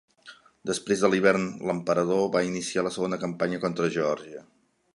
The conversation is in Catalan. Després de l'hivern l'emperador va iniciar la segona campanya contra Geòrgia.